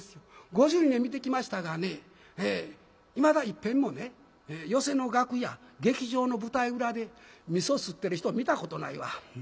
５２年見てきましたがねいまだいっぺんもね寄席の楽屋劇場の舞台裏でみそすってる人見たことないわ。